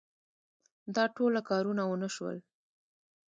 دا ټوله کارونه ونه شول.